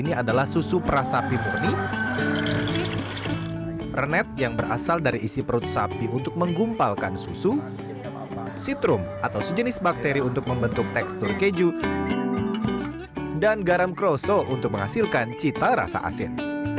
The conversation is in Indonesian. ini adalah susu prasapi murni renet yang berasal dari isi perut sapi untuk menggumpalkan susu sitrum atau sejenis bakteri untuk membentuk tekstur keju dan garam kroso untuk menghasilkan cita rasa asin